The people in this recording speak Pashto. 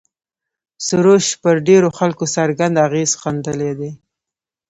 سروش پر ډېرو خلکو څرګند اغېز ښندلی دی.